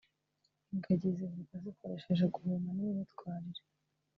Ingagi zivuga zikoresheje guhuma n’imyitwarire